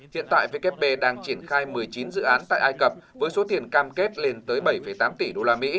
hiện tại wb đang triển khai một mươi chín dự án tại ai cập với số tiền cam kết lên tới bảy tám tỷ usd